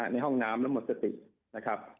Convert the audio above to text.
ในห้องน้ำแล้วหมดสตินะครับ